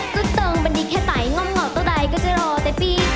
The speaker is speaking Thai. สุดเติมบรรดีแค่ไตง่อมเหงาต้องได้ก็จะรอแต่ปี